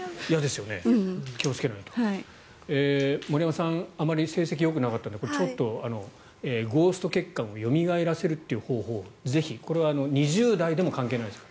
森山さんあまり成績がよくなかったのでこれ、ちょっと、ゴースト血管をよみがえらせるという方法をぜひ、これは２０代でも関係ないですから。